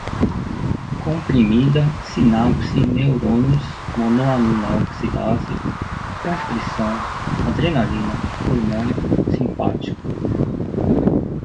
comprimida, sinapse, neurônios, monoamina oxidase, constrição, adrenalina, hormona, simpático